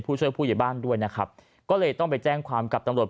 ผู้เชื่อผู้เยี่ยมบ้านด้วยนะครับก็เลยต้องไปแจ้งความกับตำรวจ